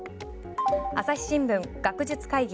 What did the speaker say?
朝日新聞、学術会議。